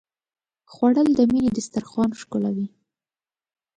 خوړل د مینې دسترخوان ښکلوي